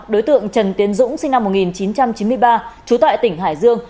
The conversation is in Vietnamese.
đối tượng trần tiến dũng sinh năm một nghìn chín trăm chín mươi ba trú tại tỉnh hải dương